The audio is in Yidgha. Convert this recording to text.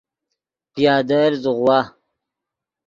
پیادل زوغوا